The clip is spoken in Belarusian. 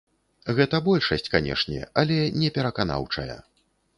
Гэта большасць, канешне, але непераканаўчая.